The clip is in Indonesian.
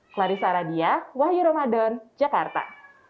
clarissa aradia wahyu ramadan jakarta